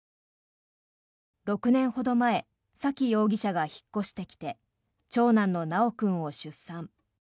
６年ほど前沙喜容疑者が引っ越してきて長男の修君を出産。